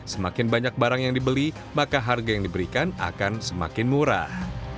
semakin banyak barang yang dibeli maka harga yang diberikan akan semakin murah